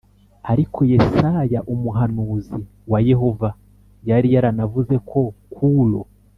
Ariko Yesaya umuhanuzi wa Yehova yari yaranavuze ko Kuro